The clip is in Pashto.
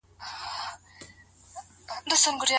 په کور کي پاته ميرمني ته څه ويل پکار دي؟